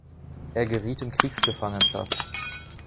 Er geriet in Kriegsgefangenschaft.